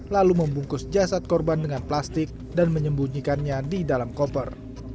lalu membungkus jasad korban dengan plastik dan menyembunyikannya di dalam koper